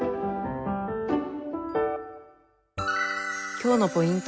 今日のポイント